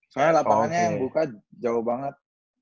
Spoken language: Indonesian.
saya lapangannya yang buka jauh banget